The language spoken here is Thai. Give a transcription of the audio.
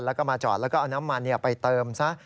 แล้วก็มาจอดแล้วก็เอาน้ำมันไปเติมซะ